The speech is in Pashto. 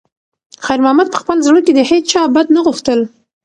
خیر محمد په خپل زړه کې د هیچا بد نه غوښتل.